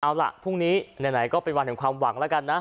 เอาล่ะพรุ่งนี้ไหนก็เป็นวันแห่งความหวังแล้วกันนะ